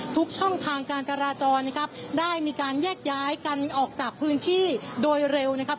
ทุกช่องทางการจราจรนะครับได้มีการแยกย้ายกันออกจากพื้นที่โดยเร็วนะครับ